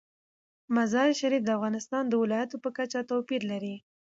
مزارشریف د افغانستان د ولایاتو په کچه توپیر لري.